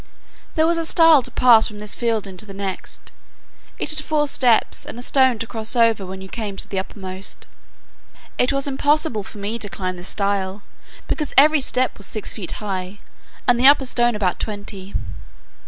There was a stile to pass from this field into the next. It had four steps, and a stone to cross over when you came to the uppermost. It was impossible for me to climb this stile, because every step was six feet high, and the upper stone about twenty.